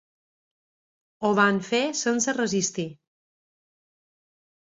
Ho van fer sense resistir.